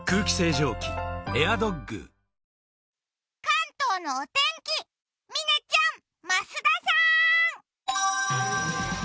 関東のお天気、嶺ちゃん、増田さん。